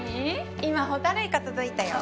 今ホタルイカ届いたよ。